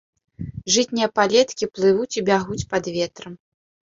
Жытнія палеткі плывуць і бягуць пад ветрам.